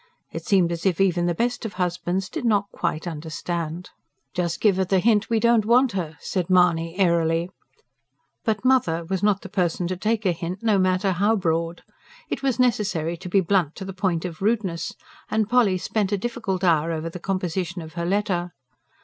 It seemed as if even the best of husbands did not quite understand. "Just give her the hint we don't want her," said Mahony airily. But "mother" was not the person to take a hint, no matter how broad. It was necessary to be blunt to the point of rudeness; and Polly spent a difficult hour over the composition of her letter.